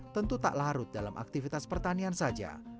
tentu tak larut dalam aktivitas pertanian saja